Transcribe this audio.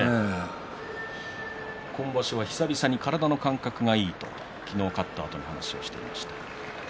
今場所は久々に体の感覚がいいと昨日、勝ったあとに話していました。